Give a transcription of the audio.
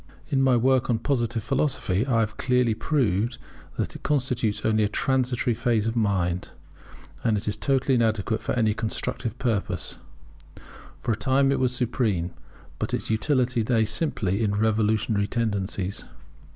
In my work on Positive Philosophy I have clearly proved that it constitutes only a transitory phase of mind, and is totally inadequate for any constructive purpose. For a time it was supreme; but its utility lay simply in its revolutionary tendencies.